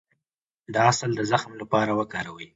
د عسل د زخم لپاره وکاروئ